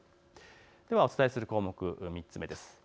お伝えする項目３つ目です。